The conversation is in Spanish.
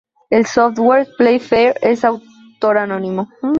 El software PlayFair es de autor anónimo.